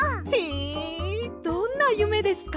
どんなゆめですか？